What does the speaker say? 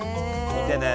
見てね！